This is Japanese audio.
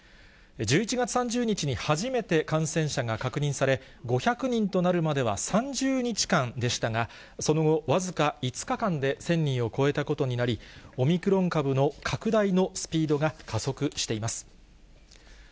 １１月３０日に初めて感染者が確認され、５００人となるまでは３０日間でしたが、その後、僅か５日間で１０００人を超えたことになり、オミクロン株の拡大のスピードが加速しています。